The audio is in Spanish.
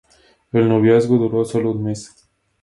El noviazgo duró solo un mes.